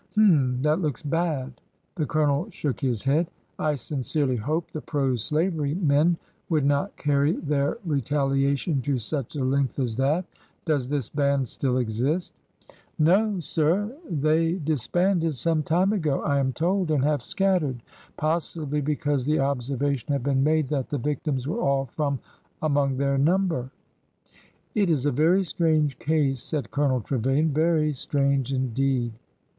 H'm ! That looks bad." The Colonel shook his head. '' I sincerely hope the pro slavery men would not carry their retaliation to such a length as that. Does this band still exist ?" No, sir ; they disbanded some time ago, I am told, and have scattered— possibly because the observation had been made that the victims were all from among their number." It is a very strange case," said Colonel Trevilian, — very strange, indeed."